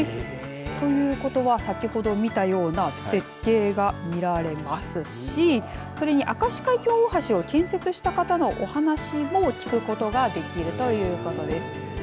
ということは先ほど見たような絶景が見られますしそれに明石海峡大橋を建設した方のお話も聞くことができるということです。